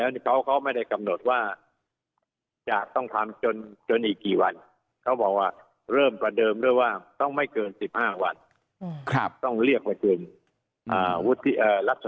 เวลาต่ำจนหลายวันเขาบอกว่าเริ่มประเดิมด้วยว่าต้องไม่เกิน๑๕วันต้องเรียก